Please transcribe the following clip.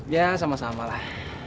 ya sama sama lah